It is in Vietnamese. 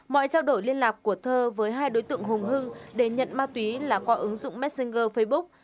mọi trao đổi liên lạc của thơ với hai đối tượng hùng hưng để nhận ma túy là qua ứng dụng messenger facebook